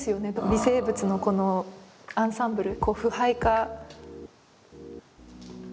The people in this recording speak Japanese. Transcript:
微生物のこのアンサンブル？